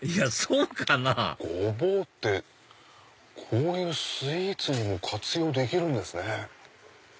ゴボウってこういうスイーツにも活用できるんですね。